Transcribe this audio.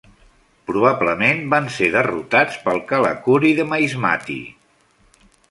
Probablement van ser derrotats pel Kalachuri de Mahismati.